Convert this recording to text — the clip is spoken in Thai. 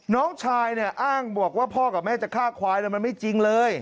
น้องชายเนี่ยอ้างบอกว่าพ่อกับแม่จะฆ่าควายมันไม่จริงเลย